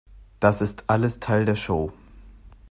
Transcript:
Das ist alles Teil der Show.